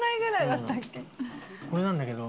これなんだけど。